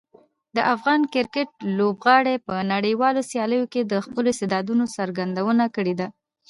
د افغان کرکټ لوبغاړي په نړیوالو سیالیو کې د خپلو استعدادونو څرګندونه کړې ده.